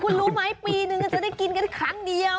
คุณรู้ไหมปีนึงจะได้กินกันครั้งเดียว